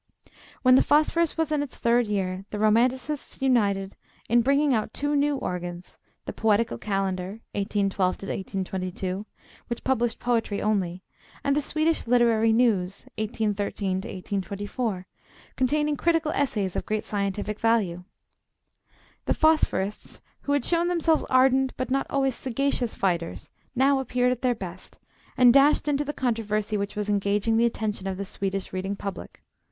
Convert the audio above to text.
When the 'Phosphorus' was in its third year the Romanticists united in bringing out two new organs: the Poetical Calendar (1812 1822), which published poetry only, and the Swedish Literary News (1813 1824), containing critical essays of great scientific value. The Phosphorists, who had shown themselves ardent but not always sagacious fighters, now appeared at their best, and dashed into the controversy which was engaging the attention of the Swedish reading public.